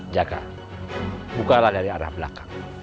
jaga bukalah dari arah belakang